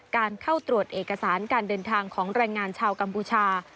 การเข้าตรวจเอกสารการเดินทางของแรงงานชาวกัมพูชา